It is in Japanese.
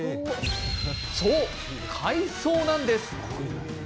そう、海藻なんです。